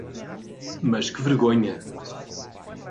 Mas que vergonha!